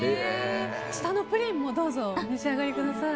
下のプリンもどうぞお召し上がりください。